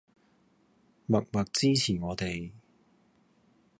默默支持我哋